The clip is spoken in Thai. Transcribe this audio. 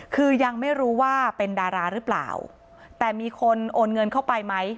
คือยังไม่รู้ว่าเป็นดาราหรือเปล่าแต่มีคนโอนเงินเข้าไปไหม